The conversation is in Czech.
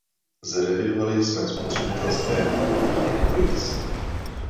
Zrevidovali jsme spotřebitelské acquis.